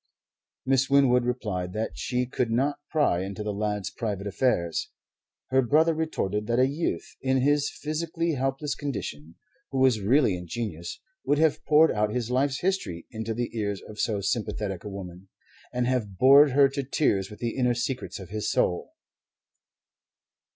Miss Winwood replied that she could not pry into the lad's private affairs. Her brother retorted that a youth, in his physically helpless condition, who was really ingenuous, would have poured out his life's history into the ears of so sympathetic a woman, and have bored her to tears with the inner secrets of his soul.